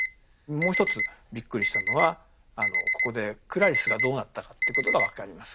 もう一つびっくりしたのはここでクラリスがどうなったかっていうことが分かります。